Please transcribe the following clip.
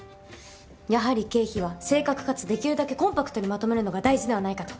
やはり経費は正確かつできるだけコンパクトにまとめるのが大事ではないかと。